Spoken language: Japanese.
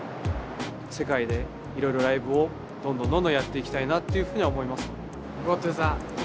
世界でいろいろライブをどんどんどんどんやっていきたいなっていうふうには思いますね。